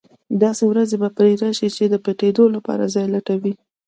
داسې ورځې به پرې راشي چې د پټېدلو لپاره ځای لټوي.